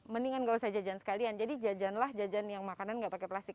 mendingan gak usah jajan sekalian jadi jajanlah jajan yang makanan gak pakai plastik